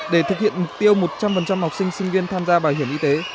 để thực hiện mục tiêu một trăm linh học sinh sinh viên tham gia bảo hiểm y tế